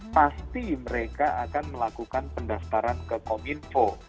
pasti mereka akan melakukan pendaftaran ke kominfo